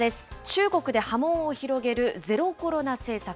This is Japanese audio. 中国で波紋を広げるゼロコロナ政策。